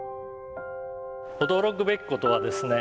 驚くべき事はですね